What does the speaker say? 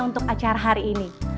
untuk acara hari ini